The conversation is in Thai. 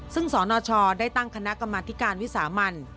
ซึ่งสนชได้ตั้งคณะกรรมธิการวิสามัน